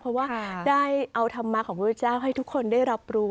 เพราะว่าได้เอาธรรมาของพระพุทธเจ้าให้ทุกคนได้รับรู้